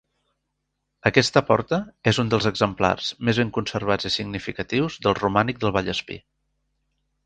Aquesta porta és un dels exemplars més ben conservats i significatius del romànic del Vallespir.